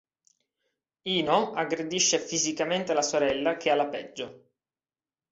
Ino aggredisce fisicamente la sorella, che ha la peggio.